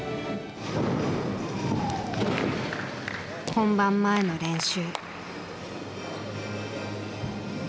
本番前の練習。